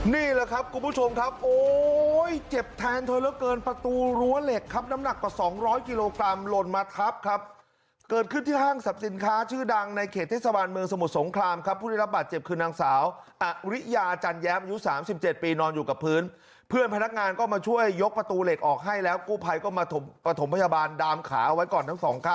นี่แหละครับคุณผู้ชมครับโอ้ยเจ็บแทนเทอร์เตอร์เกินประตูรั้วเหล็กครับน้ำหนักกว่า๒๐๐กิโลกรัมโหลดมัดครับครับเกิดขึ้นที่ห้างสับสินค้าชื่อดังในเขตเทศบาลเมืองสมุทรสงครามครับผู้ได้รับบาดเจ็บคืนนางสาวอริยาจันแย้มอายุ๓๗ปีนอนอยู่กับพื้นเพื่อนพนักงานก็มาช่วยยกประตูเหล็กออก